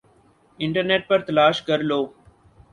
internet پر تلاش کر لو